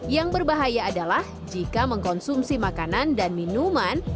yang berbahaya adalah jika mengkonsumsi makanan dan minuman